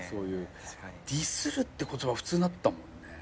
ディスるって言葉普通になったもんね。